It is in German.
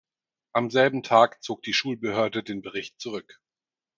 Am selben Tag zog die Schulbehörde den Bericht zurück.